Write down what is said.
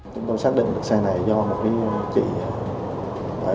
chúng tôi xác định được xe này do một chị